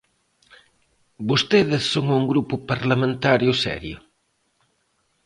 ¿Vostedes son un grupo parlamentario serio?